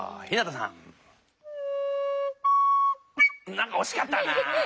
なんかおしかったなあ。